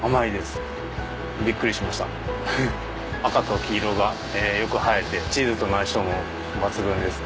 赤と黄色がよく映えてチーズとの相性も抜群です。